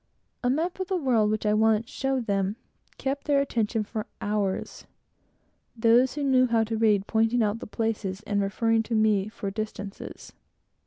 A map of the world, which I once showed them, kept their attention for hours; those who knew how to read pointing out the places and referring to me for the distances.